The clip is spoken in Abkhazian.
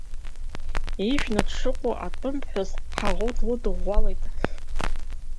Ижәны дшыҟоу атәым ԥҳәыс ҳаӷоу длыдыӷәӷәалт.